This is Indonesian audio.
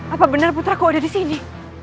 apa benar putraku ada di sini